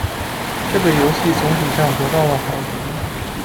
这个游戏总体上得到了好评。